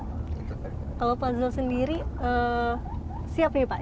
kalau pak zul sendiri siap nih pak